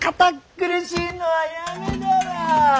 苦しいのはやめだわ！